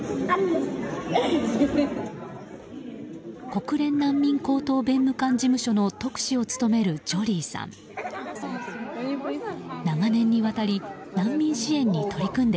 国連難民高等弁務官事務所の特使を務めるジョリーさん。